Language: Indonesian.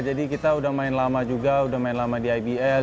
jadi kita udah main lama juga udah main lama di ibl